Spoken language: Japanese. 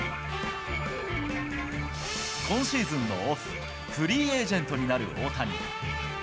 今シーズンのオフ、フリーエージェントになる大谷。